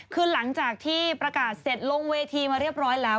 คือหลังจากที่ประกาศเสร็จลงเวทีมาเรียบร้อยแล้ว